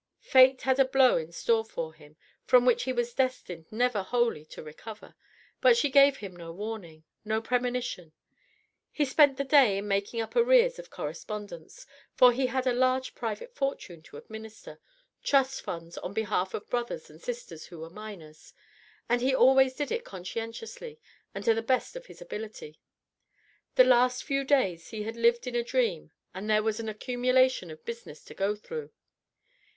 Fate had a blow in store for him, from which he was destined never wholly to recover, but she gave him no warning, no premonition. He spent the day in making up arrears of correspondence, for he had a large private fortune to administer trust funds on behalf of brothers and sisters who were minors and he always did it conscientiously and to the best of his ability. The last few days he had lived in a dream and there was an accumulation of business to go through.